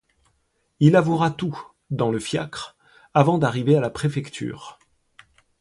Il avouera tout, dans le fiacre, avant d'arriver à la Préfecture.